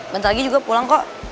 bentar lagi juga pulang kok